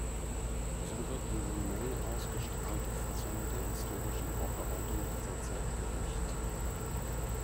So wird diese neu ausgestrahlte Fassung der historischen Aufarbeitung dieser Zeit gerecht.